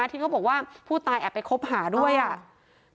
ที่เขาบอกว่าผู้ตายแอบไปคบหาด้วยอ่ะ